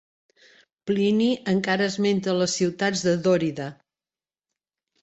Plini encara esmenta les ciutats de Dòrida.